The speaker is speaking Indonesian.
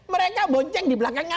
mereka bonceng di belakangnya